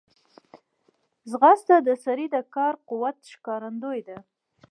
ځغاسته د سړي د کار د قوت ښکارندوی ده